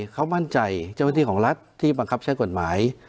เขามั่นใจเจ้าหน้าที่ของรัฐที่บังคับใช้กฎหมาย